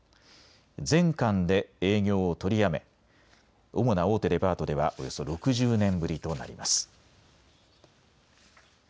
全館で営業を取りやめ主な大手デパートではおよそ６０年ぶりとなります。